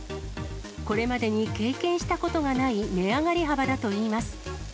これまでに経験したことがない値上がり幅だといいます。